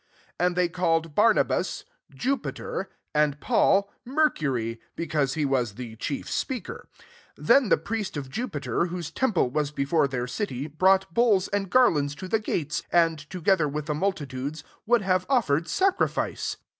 12 And they called Barnabas, Jupiter; and Paul, Mercury, because he was the chief speak er. 13 Then the priest of Ju piter, whose temfile was before their city, brought bulls and garlands to the gates, and, to gether with the multitudes, would have offered sacrifice.